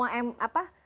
oke gitu pak kyai